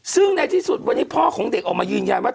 ซึ่งในที่สุดวันนี้พ่อของเด็กออกมายืนยันว่า